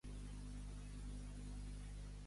Menja que t'infles: mig pa i una bacora.